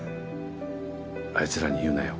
あいつらに言うなよ。